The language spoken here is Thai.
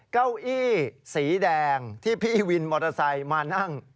เก้าอี้สีแดงที่พี่วินมอเตอร์ไซค์มานั่ง